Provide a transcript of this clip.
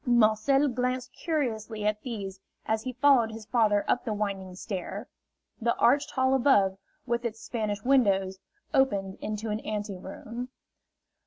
Marcel glanced curiously at these as he followed his father up the winding stair. The arched hall above, with its Spanish windows, opened into an anteroom.